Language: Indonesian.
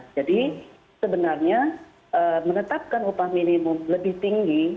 jadi sebenarnya menetapkan upah minimum lebih tinggi